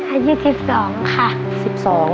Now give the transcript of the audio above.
อายุ๑๒ค่ะ